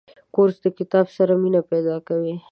کورس د کتاب سره مینه پیدا کوي.